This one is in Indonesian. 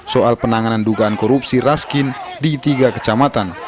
soal penanganan dugaan korupsi raskin di tiga kecamatan